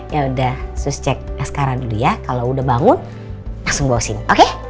ya udah sus cek askara dulu ya kalau udah bangun langsung bawa sini oke